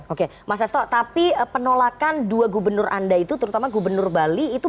oke mas sesto tapi penolakan dua gubernur anda itu terutama gubernur bali itu